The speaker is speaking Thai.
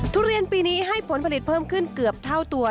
ทุเรียนปีนี้ให้ผลผลิตเพิ่มขึ้นเกือบเท่าตัว